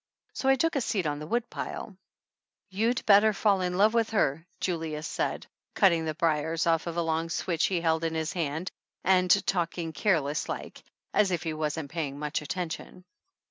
So I took a seat on the woodpile. "You'd better fall in love with her," Julius said, cutting the briers off of a long switch he held in his hand, and talking careless like, as if he wasn't paying much attention.